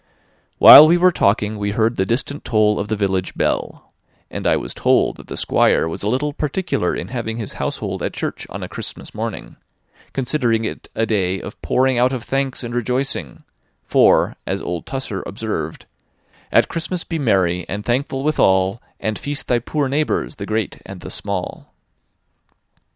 While we were talking we heard the distant toll of the village bell, and I was told that the Squire was a little particular in having his household at church on a Christmas morning; considering it a day of pouring out of thanks and rejoicing; for, as old Tusser observed: "At Christmas be merry, and thankful withal, And feast thy poor neighbours, the great and the small."